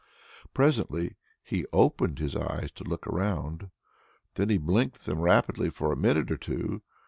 Presently he opened his eyes to look around. Then he blinked them rapidly for a minute or so.